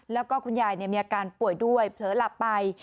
แล้วก็คุณยายมีอาการป่วยด้วยเผลอหลับไป